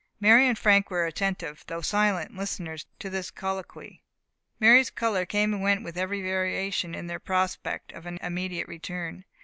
Mary and Frank were attentive, though silent listeners to this colloquy. Mary's colour went and came with every variation in their prospect of an immediate return.